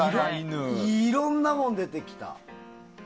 いろんなもの出てきた。